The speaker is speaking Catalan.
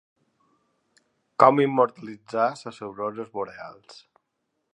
Com immortalitzar les aurores boreals?